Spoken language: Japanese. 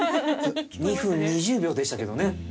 ２分２０秒でしたけどね。